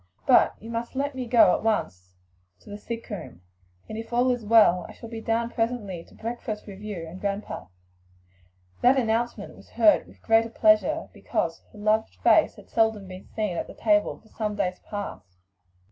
"But you must let me go at once to the sick room, and if all is well I shall be down presently to breakfast with grandpa and you." That announcement was heard with the greater pleasure because her loved face had seldom been seen at the table for some days past.